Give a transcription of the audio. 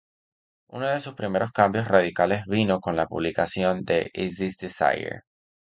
Uno de sus primeros cambios radicales vino con la publicación de "Is This Desire?